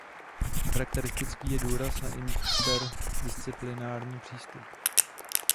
Charakteristický je důraz na interdisciplinární přístup.